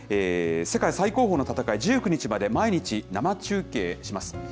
世界最高峰の戦い、１９日まで、毎日生中継します。